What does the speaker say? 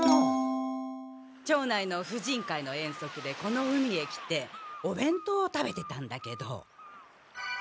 町内の婦人会の遠足でこの海へ来てお弁当食べてたんだけど。